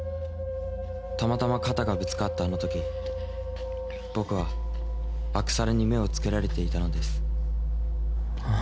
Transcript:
たまたま肩がぶつかったあの時僕はアクサラに目をつけられていたのですああ？